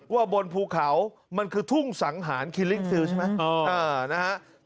บนภูเขามันคือทุ่งสังหารคิลิกซิลใช่ไหม